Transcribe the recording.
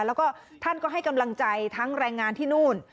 แล้วก็ท่านก็ให้กำลังใจทั้งแรงงานที่นู่น